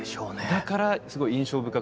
だからすごい印象深くて。